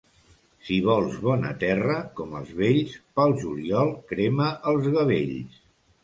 Si vols bona terra, com els vells, pel juliol crema els gavells.